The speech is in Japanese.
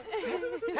え？